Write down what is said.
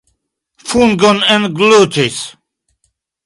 Fungon englutis!